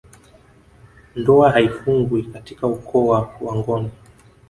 Ndoa haifungwi katika ukoo kwa wangoni